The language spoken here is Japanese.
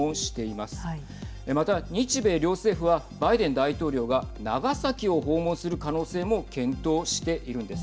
また日米両政府はバイデン大統領が長崎を訪問する可能性も検討しているんです。